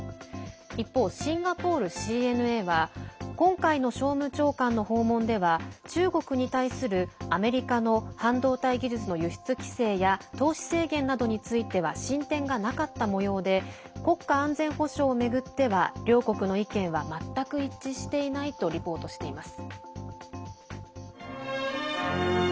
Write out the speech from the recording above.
一方、シンガポールＣＮＡは今回の商務長官の訪問では中国に対する、アメリカの半導体技術の輸出規制や投資制限などについては進展がなかったもようで国家安全保障を巡っては両国の意見は全く一致していないとリポートしています。